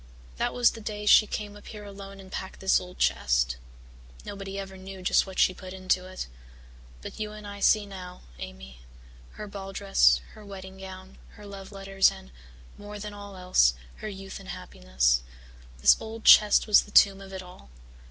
That was the day she came up here alone and packed this old chest. Nobody ever knew just what she put into it. But you and I see now, Amy her ball dress, her wedding gown, her love letters and, more than all else, her youth and happiness this old chest was the tomb of it all.